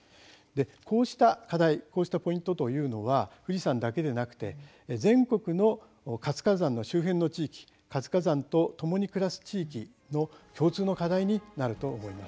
こうした課題ポイントというのは富士山だけではなく全国の活火山の周辺の地域活火山とともに暮らす地域の共通の課題になると言えます。